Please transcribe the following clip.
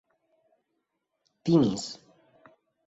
timis